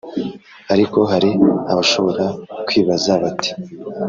Ariko hari abashobora kwibaza bati